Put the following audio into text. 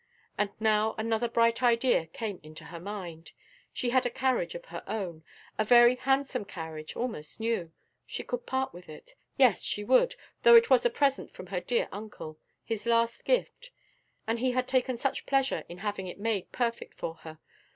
And now another bright idea came into her mind: she had a carriage of her own a very handsome carriage, almost new; she could part with it yes, she would, though it was a present from her dear uncle his last gift; and he had taken such pleasure in having it made perfect for her.